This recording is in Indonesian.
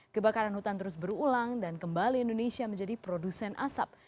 kebakaran hutan terus berulang dan kembali indonesia menjadi produsen asap